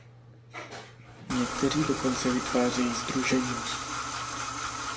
Někteří dokonce vytvářejí sdružení.